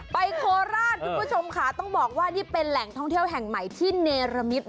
โคราชคุณผู้ชมค่ะต้องบอกว่านี่เป็นแหล่งท่องเที่ยวแห่งใหม่ที่เนรมิต